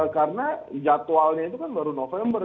karena jadwalnya itu kan baru november